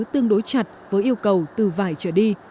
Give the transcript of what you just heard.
tương đối chặt với yêu cầu từ vải trở đi